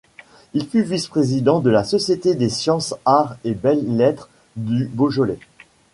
Il fut vice-président de la Société des sciences, arts et belles-lettres du Beaujolais.